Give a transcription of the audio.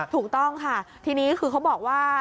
ถูกต้องค่ะทีนี้คือเขาบอกว่า